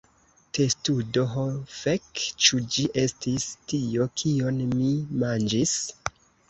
Testudo: "Ho fek, ĉu ĝi estis tio, kion mi manĝis?"